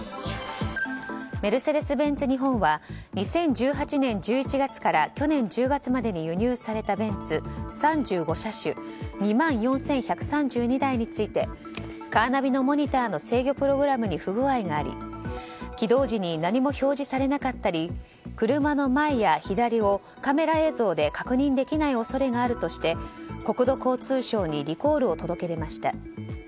メルセデス・ベンツ日本は２０１８年１１月から去年１０月までに輸入されたベンツ３５車種２万４１３２台についてカーナビのモニターの制御プログラムに不具合があり起動時に何も表示されなかったり車の前や左をカメラ映像で確認できない恐れがあるとして国土交通省にリコールを届け出ました。